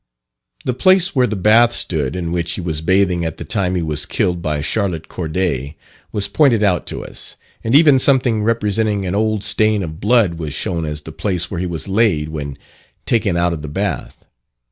The place where the bath stood, in which he was bathing at the time he was killed by Charlotte Corday, was pointed out to us; and even something representing an old stain of blood was shown as the place where he was laid when taken out of the bath.